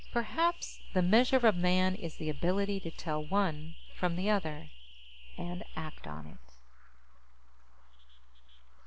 Perhaps the measure of a man is the ability to tell one from the other ... and act on it.